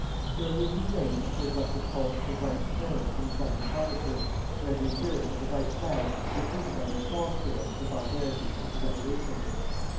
Early in his reign occurred what was called the White Terror, in the southern provinces, where the adherents of the white flag repeated on a small scale the barbarities of the Revolution.